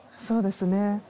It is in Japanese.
そうですね。